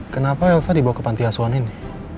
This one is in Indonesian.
kenapa elsa dibawa ke pantiasuhan ini